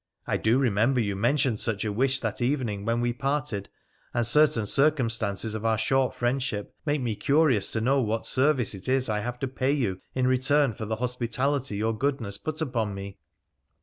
I do remember you mentioned such a wish that evening when we parted, and certain circumstances of our short friendship make me curious to know what service it is I have to pay you in return for the hospitality your goodness put upon me.'